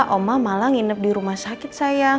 oma malah nginep di rumah sakit sayang